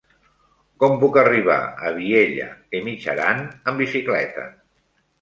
Com puc arribar a Vielha e Mijaran amb bicicleta?